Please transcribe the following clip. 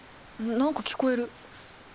何か聞こえる。